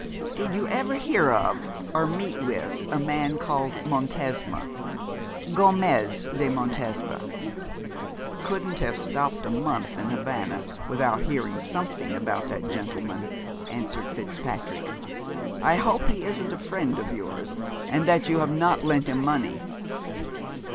'Did you ever hear of, or meet with, a man called Montesma Gomez de Montesma?' 'Couldn't have stopped a month in Havana without hearing something about that gentleman,' answered Fitzpatrick, 'I hope he isn't a friend of yours, and that you have not lent him money?'